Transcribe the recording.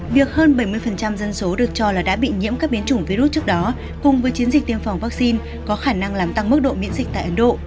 việc hơn bảy mươi dân số được cho là đã bị nhiễm các biến chủng virus trước đó cùng với chiến dịch tiêm phòng vaccine có khả năng làm tăng mức độ miễn dịch tại ấn độ